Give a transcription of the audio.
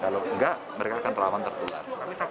kalau enggak mereka akan rawan tertutup